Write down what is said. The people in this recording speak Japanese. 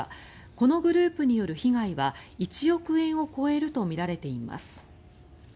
このグループによる被害は１億円を超えるとみられています。